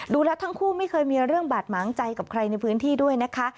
ทั้งคู่ไม่เคยมีเรื่องบาดหมางใจกับใครในพื้นที่ด้วยนะคะ